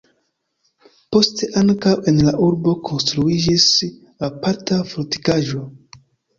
Poste ankaŭ en la urbo konstruiĝis aparta fortikaĵo.